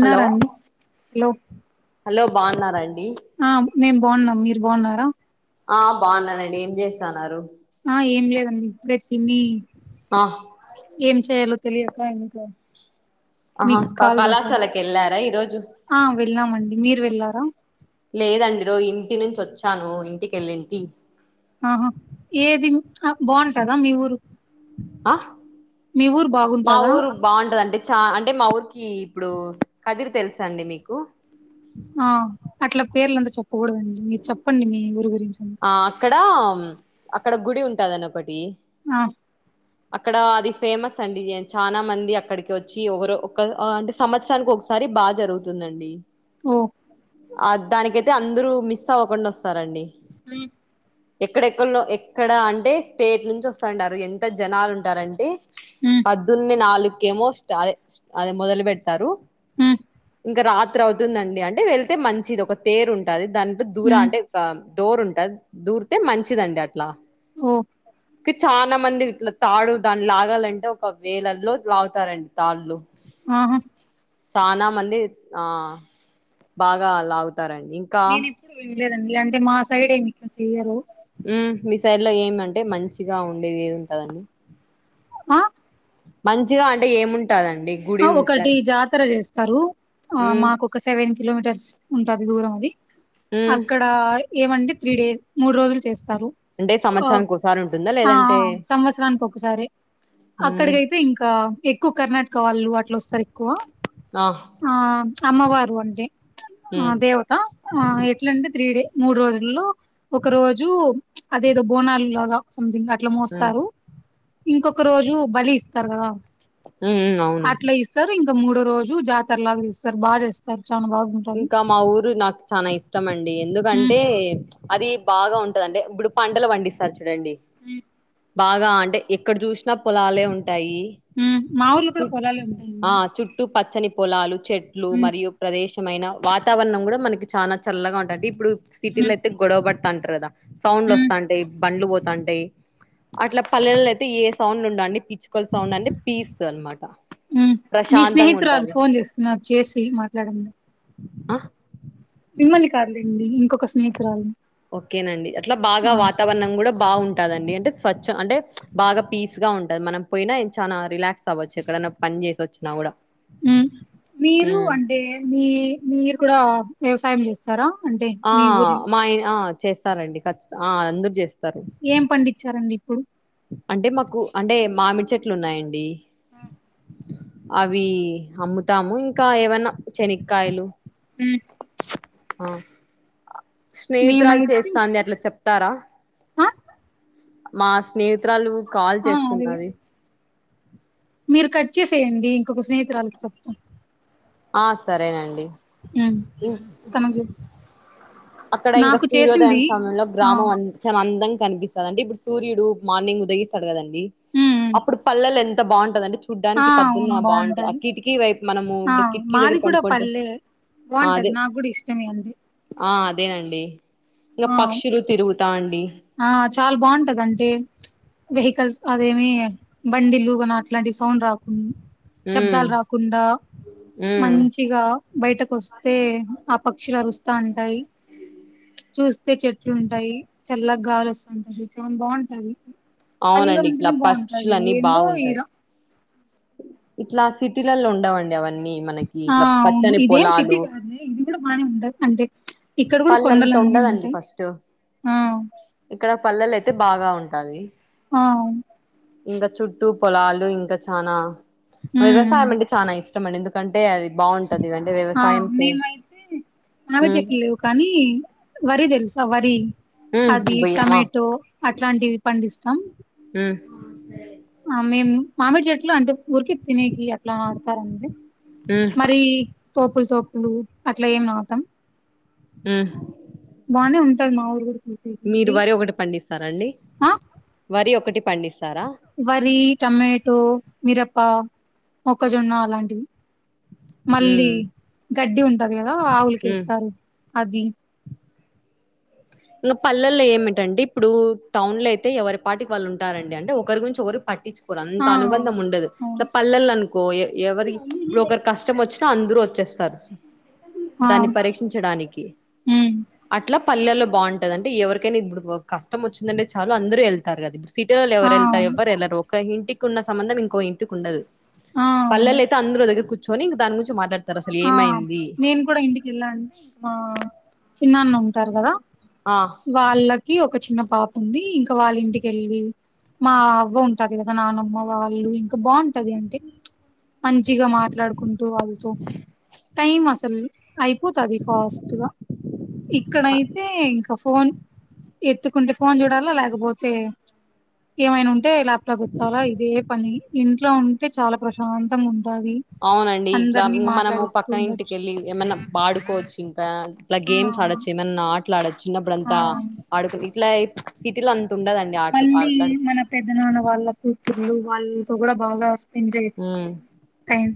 Hello hello hello బావున్నారాండి ఆ మేం బావున్నాం మీరు బావున్నారా ఆ బావున్నానండి ఏం చేస్తన్నారు ఆ ఏం లేదండి ఇప్పుడే తిని అహ్ ఏం చేయాలో తెలియక ఇంట్లో అహా క కళాశాలకేళ్ళారా ఈరోజు ఆ వెళ్ళామండి మీరు వెళ్లారా లేదండి రో ఇంటి నుంచోచ్చాను ఇంటికెళ్ళింటి ఆహ ఏది అ బావుంటాదా మీ ఊరు అహ్ మీ ఊరు మా బాగుంటదా ఊరు బావుంటదంటి చా అంటే మా ఊరికి ఇప్పుడు కదిరి తెలుసా అండి మీకు ఆ అట్లా పేర్లంతా చెప్పకూడదండి మీరు చెప్పండి మీ ఊరి గురించి అంత్ ఆ అక్కడ, అక్కడ గుడి ఉంటాదని ఒకటి ఆ అక్కడ అది ఫేమస్ అండి చానా మంది అక్కడికి వచ్చి ఒగరో ఒక్క అంటే సంవత్సరానికి ఒగసా సారి బాగా జరుగుతుందండి. ఒ ఆ దానికయితే అందరుూ మిస్ అవ్వకుండ వస్తారండీ. మ్ ఎక్కడెక్కల్లో ఎక్కడ అంటే స్టేట్ నుంచి వస్తండారు ఎంత జనాలు ఉంటారంటే ఉమ్ పద్దున్నె నాలుకేమో స్టా అదే అదే మొదలు పెట్ తారు ఉమ్ ఇంక రాత్రి అవుతుందండి. అంటే వెళ్తే మంచిది ఒక తేరు ఉంటాది దాని దూర ఉమ్, అంటే డోర్ ఉంటాది దూరితే మంచిదండి అట్ల. ఓ కి చాన మంది ఇట్ల తాడు దాని లాగాలంటే ఒక వేలల్లో లాగుతారండి తాళ్లు ఆహా చనా మంది ఆ బాగా లాగుతారండి. ఇంకా నేను ఎప్పుడు వినలేదండి అంటే మా సైడ్ ఏమి ఇట్ల చెయ్యరు. మ్ మీ సైడ్ లో ఏమంటే మంచిగా ఉండేది ఏది ఉంటాదండి ఆ మంచిగా అంటే ఏముంటాదండి? ఆ ఒకటి జాతర చేస్తారు, ఆ ఉమ్ మాకు ఒక సెవెన్ కిలోమీటర్స్ ఉంటాది దూరం అది. ఉమ్ అక్కడ, ఏమంటే త్రీ డేస్, మూడు రోజులు చేస్తారు. అంటే ఓ సంవత్సరానికి ఒకసారి ఉంటుందా ఆ ఆ లేదంటే సంవత్సరానికి ఒక సారే ఉమ్ అక్కడికైతే ఇంక ఎక్కువ కర్ణాటక వాళ్ళు అట్ల వొస్తారు ఎక్కువ. ఆ ఆ అమ్మవారు అంటె ఉమ్ ఆ దేవత ఆ ఇ ఎట్లంటే త్రీ డే మూడు రోజుల్లో, ఒక రోజు అదేదో బోనాలు లాగ సంథింగ్ అట్ల ఉమ్ మోస్తారు, ఇంకొక రోజు బలి ఇస్తారు కదా మ్ అట్ల ఇస్తారు, ఇంక మూడు రోజు జాతర లాగ చేస్తారు బాగా చేస్తారు చాన బాగున్ ఇంక మా ఊరు నాకు చాన ఇష్టం అండి. ఎందుకంటే, అది బాగ ఉంటది అంటే ఇప్పుడు పంటలు పండిస్తారు చూడండి, మ్ బాగ అంటే, ఎక్కడ చూసినా పొలాలే ఉంటాయి. ఉమ్ మా ఊర్లో చి కూడా పొలాలే ఉంటాయండి ఆ చుట్టూ పచ్చని పొలాలు, చెట్లు ఉమ్ మరియు ప్రదేశ మైన వాతావరణం కూడ మనకి చాన చల్లగా ఉంటది అంటే ఇప్పుడు సిటీలో ఉమ్ అయితే గొడవ పడతాంటారు కదా! సౌండ్లు ఉమ్ వస్తాంటాయి, బండ్లు పోతాంటాయి. అట్ల పల్లెలో అయితే ఏ సౌండ్ ఉండవ్ అన్ని పిచ్ కల్ సౌండ్ అంటే పీస్ అనమాట ప్రశాంతంగ ఉంటాది. నాకు చేసి మాట్లాడమను అ మిమ్మల్ని కాదులేండి ఇంకొక స్నేహితురాలని ఓకేనండి అట్ల బాగ వాతావరణం కూడ బాగు టాదండి అంటే స్వచ్చ అంటే బాగా పీస్ గా ఉంటది మనం పోయినా చాన రిలాక్స్ అవ్వచ్చు ఎక్కడన్న పని చేసొచ్ నగుడ మ్ మీరు అంటే మీ మీరు కూడ వ్యవసాయం చేస్తార? అంటే, ఆ మీ ఊర్లో మాయ్ ఆ చేస్తారండి ఖచ్చిత ఆ అందరు చేస్ ఏం పండించారండి ఇప్పుడు అంటే మాకు అంటే మామిడి చెట్లు ఉన్నాయండి ఆ అవి అమ్ముతాము ఇంకా ఏవన్నా శనక్కయలు ఉమ్ ఆ స్నేహితురాలు మేమైతే చేస్తాంది అట్లా చెప్తారా ఆ మా స్నేహితురాలు కాల్ ఆ అదే చేస్తున్నది మీరు కట్ చేసేయండి ఇంకొక స్నేహితురాలకి చెప్త ఆ సరేనండి మ్ తనక్ అక్కడ ఇంకా సూర్యోదయం చేసింది సమయంలో ఆ గ్రామం అం చాలా అందం కనిపిస్తాడండి అంటే ఇప్పుడు సూర్యుడు మార్నింగ్ ఉదయిస్తాడు కదం డి ఉమ్ ఉమ్ అప్పుడు పళ్ళేలో ఎంత బాగుంటదంటే ఆ చూడ్డానికి అవును పోద్దున్న బాగుంటాయి బాగుంటది ఆ కిటికీ వైపు మనము ఆ ఇప్పుడు కిటికీ మాది దగ్గర కూడా పండుకుంటు పల్లె బాగుంటది నాకు కూడా ఇష్టమే అండి ఆ అదేఅండి ఇంగ ఆ పక్షులు తిరుగుతా అండి ఆ చాలా బాగుంటదంటే వెహికల్స్ అదేమి బండిలు గుణ అట్లాంటి సౌండ్ రాకున్ ఉమ్ శబ్దాలు రాకుండా ఉమ్ మంచిగా బయటకు వస్తే ఆ పక్షులు అరుస్తా ఉంటాయి చూస్తే చెట్లు ఉంటాయి చల్లగా గాలి వస్తుంటది చాలా బాగుంటది పళ్ళేలో అవునండి ఇట్లా ఉంటేనే బాగుంటది పక్షులు అన్ని ఏందో ఈడ బాగుంటాయి ఇట్లా సిటీలలో ఉండవండి అవన్నీ మనకి ఆ ఇట్లా అవును పచ్చని ఇదేం సిటీ పొలాలు కాదులే ఇది కూడా బాగానే ఉంటాయి అంటే ఇక్కడ కూడా పళ్ళంత కొండలు అన్నీ ఉండదండి ఉంటాయి ఫస్ట్ ఆ ఇక్కడ పళ్ళేలో అయితే బాగా ఉంటది ఆ అవున్ ఇంగా చుట్టూ పొలాలు ఇంకా చానా ఉమ్ వ్యవసాయం అంటే చానా ఇష్టం అండి ఎందు కంటే అది బాగుంటది అంటే ఆ వ్యవసాయం చే మేమైతే మామిడి మ్ చెట్లు లేవు కానీ వరి తెలుసా వరి ఉమ్ అది బొయ్య ఆ టమేటో అట్లాంటివి పండిస్తాం మ్ ఆ మేము మామిడి చెట్లు అంటే ఊరికే తినేకి అట్లా నాటుతారు అండి మ్ మరి తోపుల తోపులు అట్లా ఏం అట్ మ్ బానే ఉంటది మా ఊరు కూడా చూసేకి మీరు మరి వరి ఒకటి పండిస్తారండి ఆ వరి ఒకటి పండిస్తారా వరి టమాటో మిరప్ప మొక్కజొన్న అలాంటివి మళ్ళీ ఉమ్ గడ్డి ఉంటది కదా ఉమ్ ఆవులకేస్తారు అది ఇంకా పళ్ళేల్లో ఏమిటండి ఇప్పుడు టౌన్ లో అయితే ఎవరి పాటికి వాళ్ళు ఉంటారం అడి అంటే ఒకరి గురించి ఒకరు పట్టించ్ కోరు అంత ఆ అనుబంధం ఉండదు ఇట్ల అవును పల్లెళ్ళో అనుకో ఎవరి ఇప్పుడు ఒకరికి కష్టం వచ్చినా అందరు వచ్చేస్తారు ఆ దాన్ని పరీక్షించడానికి ఉమ్ అట్లా పల్లెల్లో బాగుంటది అంటే ఎవరికైనా ఇప్పుడు కష్టం వచ్చిందంటే చాలుా అందరు వెళ్ ారు కదా ఇప్పుడ్ సిటీలో ఆ ఎవరు వెళ్తారు ఎవరుళ్లరు ఒక ఇంటికి ఉన్న సంబంధం ఇంకో ఇంటికి ఉండదు ఆ అవును పళ్ళేళ్ళో అయితే అందలో ఓ దగ్గర కూర్చొని ఇంకా దాని గురించి మాట్లడ్ ఆ నేను కూడా ఇంటికి వెళ్ళానంటే ఇక మా చిన్నాన్న ఉంటారు కదా ఆ వాళ్ళకి ఒక చిన్న పాప ఉంది ఇంక వాళ్ళ ఇంటికిెళ్ళి మా అవ్వ ఉంటది కదా నానమ్మ వాళ్ళు ఇంకా బాగుంటది అంటే మంచిగ మాట్లాడుకుంటూ వాల్లతో టైమ్ అసల్ అయిపోతది ఫాస్ట్ గా ఇక్కడయితే ఇంక ఫోన్ ఎత్తుకుంటే ఫోన్ చూడాల లేకపోతే ఏమైన ఉంటే ల్యాప్టాప్ ఎత్తాలా ఇదే పని ఇంట్లో ఉంటే చాల ప్రశాంతంగా ఉంటాది అవునండి ఇట్ల ఇంకా మనము పక్కన ఉండొచ్చు ఇంటికెళ్ళి ఏమైన్నా ఆడుకోవచ్చు ఇంక ఇట్లా ఆ గేమ్స్ అవును ఆడొచ్చు ఏమైన్నా అలా ఆడచ్చ చిన్నప్పుడు ఆ అంతా అవును ఆడుకు ఇట్లా సిటీలో అంత ఉండదండి ఆటలు ఆలాడు పెద్ద నాన్న వాళ్ళ కూతుర్లు వాళ్ళతో కూడా బాగా స్పెండ్ చేయొచ్చు ఉమ్ టై టైం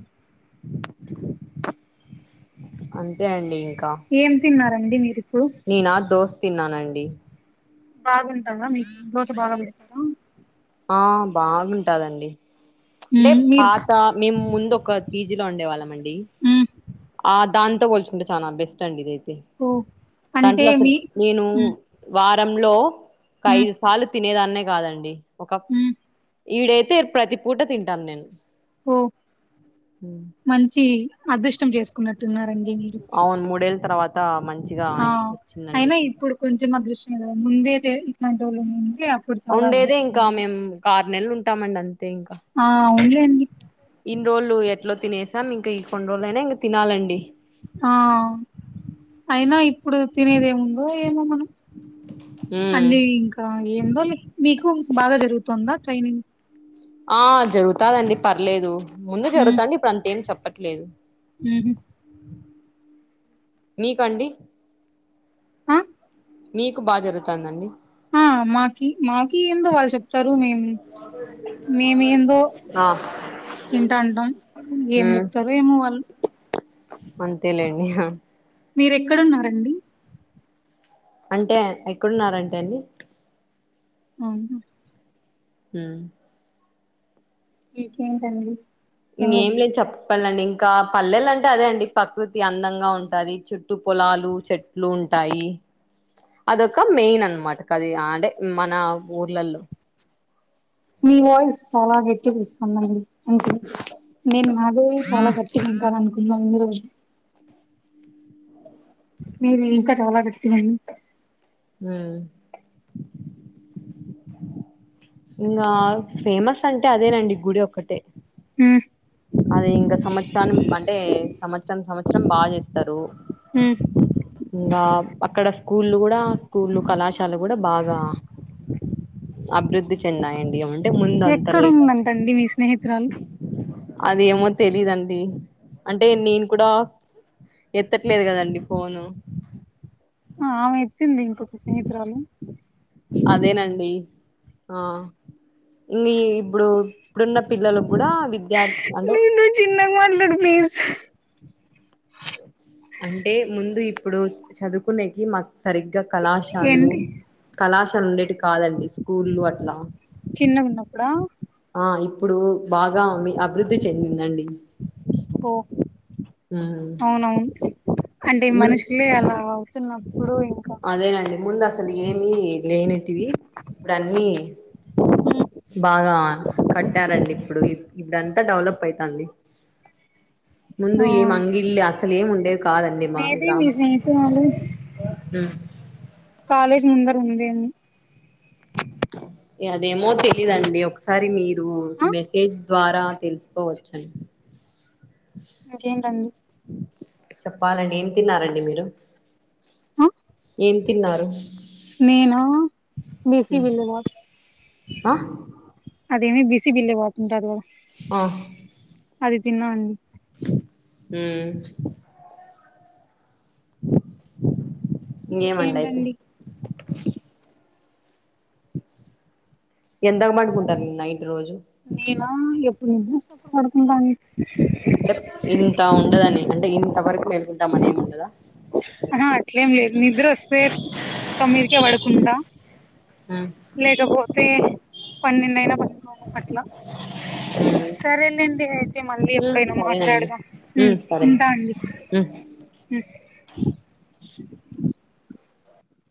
అంతే అండి ఇంక ఏం తిన్నారండి మీరు ఇప్పుడు నేనా దోస్ తిన్నానండి బాగుంటదా మీకు దోశ బాగా పెడతారా ఆ బాగుంటాదండి అంటే మ్మ్ మీరు పా మేము ముందు ఒక పీజీలో ఉండేవాళ్ళం అండి మ్మ్ ఆ దాంతో పోల్చుకుంటే చాలా బెస్ట్ అండి ఇదైతే ఓ అంటే దాంట్లో అసలు మీ నేను మ్మ్ వారంలో ఒక మ్మ్ ఐదు సార్లు తినేదాన్నే కాదండి ఒక మ్మ్ ఈడ అయితే ప్రతి పూట తింటాను నేను ఓ మంచి అదృష్టం చేసు న్నట్టున్నారండి మీరు అవును మూడేళ్ళ తర్వాత మంచిగా ఆ వచ్చిందండి అయినా ఇప్పుడు కొంచెం అదృష్ట్యం కదా ముందు అయితే ఇట్లాంటి వాళ్ళు ఏే ఉండేదే ఇంక మేము ఆరు నెలలు ఉంటామండి అంతే ఇంకా ఆ ఆవున్లే అండి ఇన్ని రోజులు ఎట్లా తినేసాం ఇంకా ఈ కొన్ని రోజులైనా ఇంకా తినాలండి ఆ అయినా ఇప్పుడు తినేదేముందో ఏమో మనం ఉమ్ అన్నీ ఇంకా ఏందో లె మీకు బాగా జరుగుతుందా ట్రైనింగ్ ఆ జరుగుతాదండి పర్లేదు ముందు ఉమ్ జరుగుతండి ఇప్పుడు అంత ఏం చెప్పట్లేదు ఉహు మీకు అండి అ మీకు బాగా జరుగుతుంద అండి ఆ మాకి మాకి ఎందో వాల్ చెప్ స్తరు మేము మేము ఏందో ఆ ఇంట అంటాం ఏం చెప్తారు ఏమో వాళ్ళు అంతే లే అండి యా మీర ఎక్కడున్నారండి అంటే ఎక్కడున్నారంటే అన్ని హ హు ఇంకేంటండి పం సంగతి? లేద్ చెప్ పల్లండి ఇంకా పల్లెలు అంటే అదే అండి ప్రకృతి అందంగా ఉంటుంది చుట్టు పొలాలు చెట్ ట్లు ఉంటాయి అదొక మెయిన్ అనమాట అది అంటే మన ఊర్లల్లో మీ వాయిస్ చాలా గటిగోస్తుందండి అంతే నేను మాదే చాలా గట్టిగా ఉందానుకున్నా మీరు మీది ఇంకా చాలా గట్టిగుంది ఉ ఇంగా ఫేమస్ అంటే అదేనండి గుడి ఒక్కటే ఉ అది ఇంగా సంవత్సరాని అంటే సంవత్సరం సంవత్సరం బాచేస్తరు ఉమ్ ఇంగా అక్కడ స్కూళ్లు గూడా స్కూళ్లు కళాశాల గూడా బాగా అభివృద్ధి చెందాయండి అవున్ ఎక్కడుదంటండి మీ స్నేహితురాలు అది ఎమో తెలీదండి అంటే నేను కూడా ఎత్తట్లేదు గదండి ఫోను ఆమె ఎత్తింది ఇంకొక స్నేహితురాలు అదేనండి ఆ ఇంగ్ఇప్పుడు ఇప్పుడున్న పిల్లలు గూడా విద్యార్థి అంటే మీరు నువ్వు చిన్నగా మాట్లాడు ప్లీజ్ అంటే ముందు ఇప్పుడు చదువుకునేకి మాక్ సరిగ్గా కళాశాలు ఏంటి కళాశాల ఉండేటి కాదండి స్కూళ్లు అట్లా చిన్నగా ఉన్నప్పుడా ఆ ఇప్పుడు బాగా మీ అభివృద్ధి చెందిందండి ఓ అవునవును అంటే ము మనుషులే అలా అవుతున్నప్పుడు ఇంకా అదేనండి ముందు అసలు ఏమి లేనిటివి ఇప్పుడు అన్నీ బాగా కట్టారండి ఇప్పుడు ఇప్పుడంతా డెవలప్ అయితాంది ముందు ఆ ఏం అంగిల్లే అసలు ఏమి ఉండేది కాదండి మా గ్రామ్ ఎమండి ఉ కాలేజ్ ముందర ఉందేమో అదేమో తెలీదండి ఒకసారి మీరు ఆ మెసేజ్ ద్వారా తెలుసుకోవచ్చా అండి ఇకేంటండి చెప్పాలండి ఏం తిన్నారండి మీరు ఆ ఏం తిన్నారు నేనా బిసి ఉ ఆ అదేమీ బిసి బిల్లే పోతుంటది గదా ఆహ అది తిన్నాన్ అ ఉ ఇంగే మండి అయితే ఇంకేంటండి ఎంతకు పడుకుంటారు మీ నైట్ రోజు నేనా ఎప్పుడు నిద్రవొస్తే అప్పుడు పడుకుంటా అండి అంటే ఇంత ఉండదని అంటే ఇంత వరకు మేల్కుంటామని ఏం ఉండదా ఆహా అట్లేం లేదు నిద్ర వొస్తే తొమ్మిదికే పడుకుంటా మ్ లేకపోతే పన్నెండు అయినా పనుకోము అట్లా సరేలేండి అయితే మళ్ళీ ఉమ్ ఎప్పుడైనా సరేనండి మాట్లాడదాం ఉ ఉమ్ సరే ఉంటా అండి ఉమ్ ఉ